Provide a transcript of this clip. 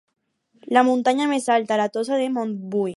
La muntanya més alta, la Tossa de Montbui.